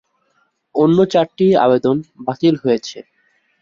অন্য চারটির আবেদন বাতিল হয়েছে।